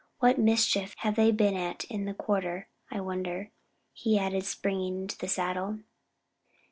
What mischief have they been at in the quarter, I wonder?" he added, springing into the saddle.